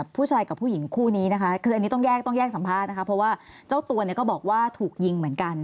ผู้ชายกับผู้หญิงคู่นี้นะคะคืออันนี้ต้องแยกต้องแยกสัมภาษณ์นะคะเพราะว่าเจ้าตัวเนี่ยก็บอกว่าถูกยิงเหมือนกัน